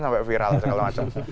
sampai viral segala macam